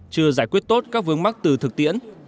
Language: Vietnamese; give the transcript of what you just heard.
chưa giải quyết tốt các vướng mắc từ thực tiễn